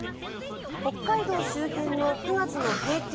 北海道周辺の９月の平均